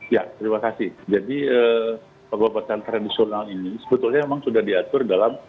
ya terima kasih jadi pengobatan tradisional ini sebetulnya memang sudah diatur dalam